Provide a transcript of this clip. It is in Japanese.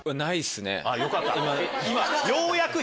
よかった今。